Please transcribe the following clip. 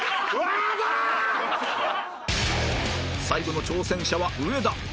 最後の挑戦者は上田